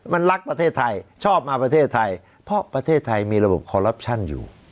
มันรักประเทศไทยชอบมาประเทศไทยเพราะประเทศไทยมีระบบคอลลับชั่นอยู่